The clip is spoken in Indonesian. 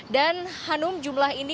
dan hanum jumlah ini